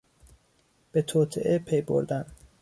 به توطئه پی بردن